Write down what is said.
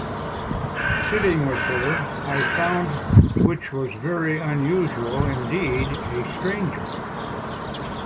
Sitting with her, I found — which was very unusual indeed — a stranger.